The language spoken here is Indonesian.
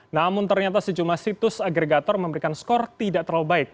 namun ternyata sejumlah situs agregator memberikan skor tidak terlalu baik